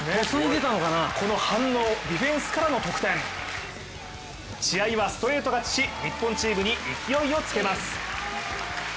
この反応、ディフェンスからの得点試合はストレート勝ちし日本チームに勢いをつけます。